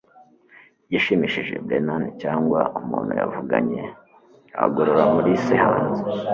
Igishimishije, Brennan cyangwa umuntu yavuganye yagorora Mulisa hanze.